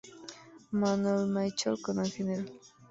Manuel Michel con el Gral.